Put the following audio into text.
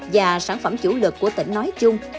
và sản phẩm chủ lực của tỉnh nói chung